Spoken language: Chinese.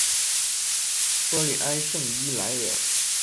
弗尔里埃圣伊莱尔。